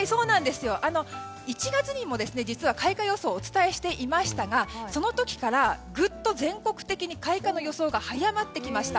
１月にも開花予想をお伝えしていましたがその時からぐっと全国的に開花予想が早まってきました。